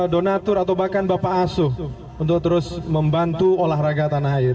donatur atau bahkan bapak asuh untuk terus membantu olahraga tanah air